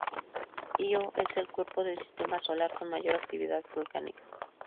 Ío es el cuerpo del sistema solar con mayor actividad volcánica.